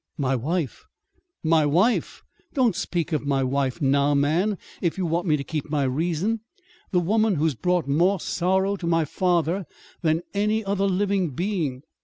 "My wife! My wife! Don't speak of my wife now, man, if you want me to keep my reason! The woman who brought more sorrow to my father than any other living being!